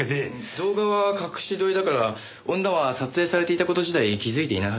動画は隠し撮りだから女は撮影されていた事自体気づいていないはずです。